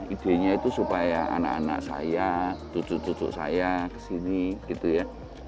idenya itu supaya anak anak saya cucu cucu saya kesini gitu ya